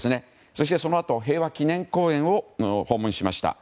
そして、そのあと平和記念公園を訪問しました。